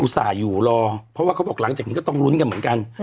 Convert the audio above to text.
ส่าห์อยู่รอเพราะว่าเขาบอกหลังจากนี้ก็ต้องลุ้นกันเหมือนกัน